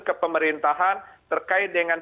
kepemerintahan terkait dengan